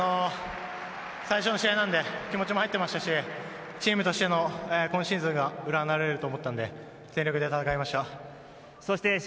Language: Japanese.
最初の試合なので気持ちも入ってましたし、チームとしての今シーズンがうらなえると思ったので、全力で頑張りました。